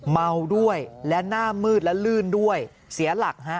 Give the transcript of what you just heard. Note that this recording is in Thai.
เมาด้วยและหน้ามืดและลื่นด้วยเสียหลักฮะ